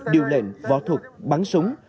điều lệnh võ thuật bắn súng